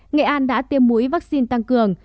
nghệ an đã tiêm mũi vaccine tăng cường